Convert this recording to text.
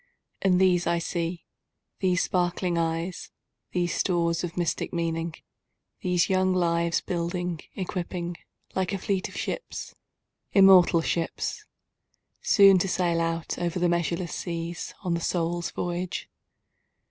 And these I see—these sparkling eyes, These stores of mystic meaning—these young lives, Building, equipping, like a fleet of ships—immortal ships! Soon to sail out over the measureless seas, On the Soul's voyage.